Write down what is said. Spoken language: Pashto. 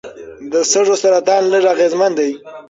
د سږو سرطان لږ اغېزمن دی.